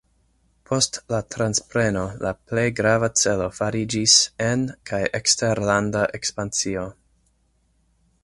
Post la transpreno la plej grava celo fariĝis en- kaj eksterlanda ekspansio.